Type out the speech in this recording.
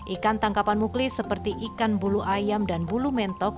ikan tangkapan muklis seperti ikan bulu ayam dan bulu mentok